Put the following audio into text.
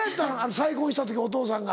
再婚した時お父さんが。